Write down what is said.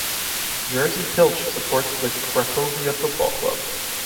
Jerzy Pilch supports the Cracovia football club.